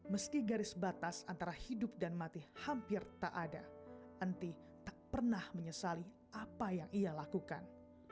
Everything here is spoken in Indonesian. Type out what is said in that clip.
meski garis batas antara hidup dan mati hampir tak ada enti tak pernah menyesali apa yang ia lakukan